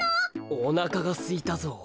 おなかがすいたぞう。